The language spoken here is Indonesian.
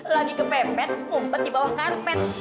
lagi kepepet umpet di bawah karpet